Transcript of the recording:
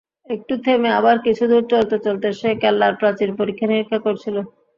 একটু থেমে আবার কিছুদূর চলতে চলতে সে কেল্লার প্রাচীর পরীক্ষা-নিরীক্ষা করছিল।